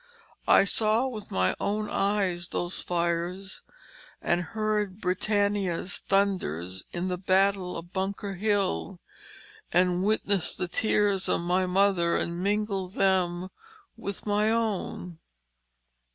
I saw with my own eyes those fires, and heard Britannia's thunders in the Battle of Bunker Hill, and witnessed the tears of my mother and mingled them with my own."